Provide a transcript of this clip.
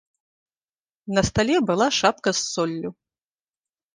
На стале была шапка з соллю.